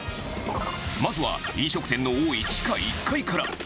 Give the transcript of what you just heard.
まずは、飲食店の多い地下１階から。